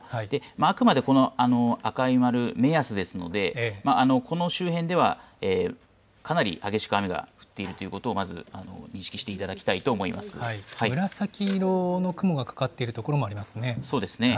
あくまで、この赤い丸、目安ですので、この周辺ではかなり激しく雨が降っているということをまず認識し紫色の雲がかかっている所もそうですね。